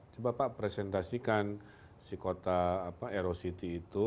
coba pak presentasikan si kota erosity itu